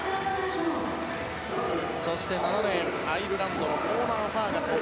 そして７レーン、アイルランドのコーナー・ファーガソン。